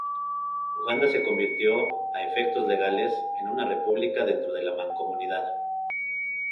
Uganda se convirtió, a efectos legales, en una república dentro de la Mancomunidad.